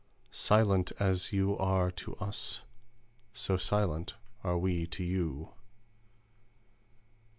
Silent as you are to us, So silent are we to you!